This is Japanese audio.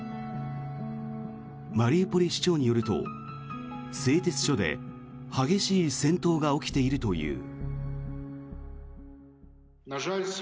マリウポリ市長によると製鉄所で激しい戦闘が起きているという。